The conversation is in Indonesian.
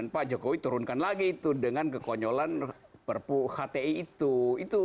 pak jokowi turunkan lagi itu dengan kekonyolan perpu hti itu